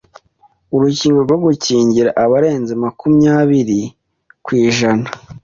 urukingo rwo gukingira abarenze makumyabiri kw’ijana